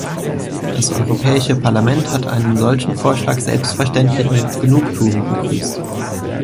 Das Europäische Parlament hat einen solchen Vorschlag selbstverständlich mit Genugtuung begrüßt.